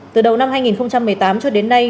từ đầu năm hai nghìn một mươi tám cho đến nay